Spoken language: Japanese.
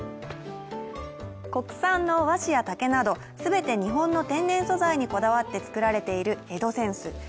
国産の和紙や竹など、全て日本の天然素材にこだわって作られている江戸扇子。